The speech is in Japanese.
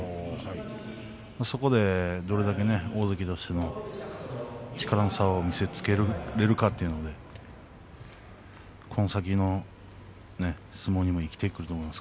そこでどれだけ大関としての力の差を見せつけることができるかというこの先の相撲にも生きてくると思うんです